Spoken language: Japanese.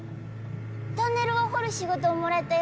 トンネルを掘る仕事をもらえたよ。